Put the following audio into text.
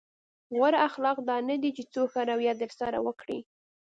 غوره اخلاق دا نه دي چې څوک ښه رويه درسره وکړي.